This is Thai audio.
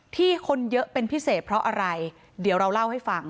คนเยอะเป็นพิเศษเพราะอะไรเดี๋ยวเราเล่าให้ฟัง